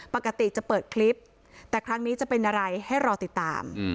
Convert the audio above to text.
ปกติจะเปิดคลิปแต่ครั้งนี้จะเป็นอะไรให้รอติดตาม